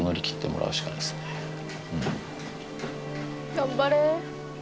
頑張れ。